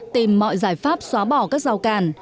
tìm mọi giải pháp xóa bỏ các rào càn